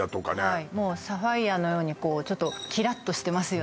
はいもうサファイアのようにこうちょっとキラッとしてますよね